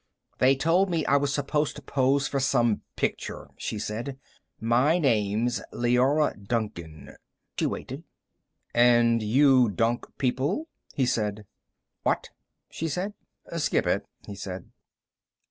"They told me I was supposed to pose for some picture," she said. "My name's Leora Duncan." She waited. "And you dunk people," he said. "What?" she said. "Skip it," he said.